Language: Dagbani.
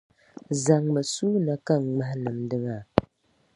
Zaŋ mi sua na ka ŋmahi nimdi maa.